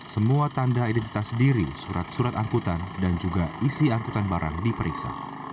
semua tanda identitas diri surat surat angkutan dan juga isi angkutan barang diperiksa